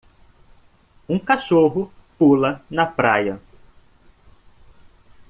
Um cachorro pula na praia.